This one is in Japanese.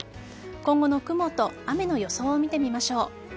今後の雲と雨の予想を見てみましょう。